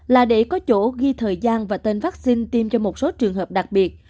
là để có chỗ ghi thời gian và tên vaccine tiêm cho một số trường hợp đặc biệt